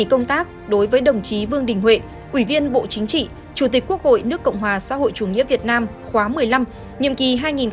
ông vương đình huệ ủy viên bộ chính trị chủ tịch quốc hội nước cộng hòa xã hội chủ nghĩa việt nam khóa một mươi năm nhiệm kỳ hai nghìn hai mươi một hai nghìn hai mươi sáu